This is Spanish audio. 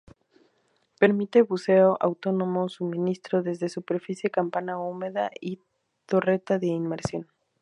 Permite buceo autónomo, suministro desde superficie, campana húmeda, y torreta de inmersión.